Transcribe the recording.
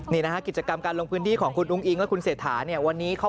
นี่นะฮะกิจกรรมการลงพื้นที่ของคุณอุ้งอิงและคุณเสถาน